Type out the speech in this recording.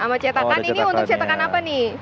ini untuk cetakan apa nih